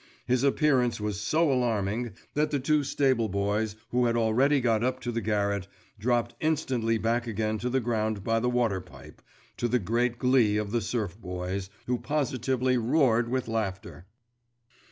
His appearance was so alarming that the two stable boys who had already got up to the garret, dropped instantly back again to the ground by the water pipe, to the great glee of the serf boys, who positively roared with laughter.